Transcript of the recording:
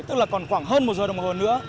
tức là còn khoảng hơn một giờ đồng hồ nữa